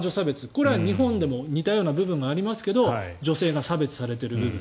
これは日本でも似たような部分がありますが女性が差別されている部分。